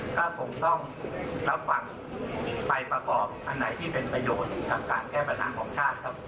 ก็คงต้องรับฟังไปประกอบอันไหนที่เป็นประโยชน์กับการแก้ปัญหาของชาติครับ